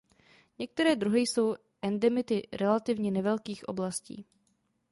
Některé druhy jsou endemity relativně nevelkých oblastí.